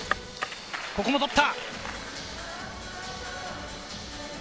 ここも取った。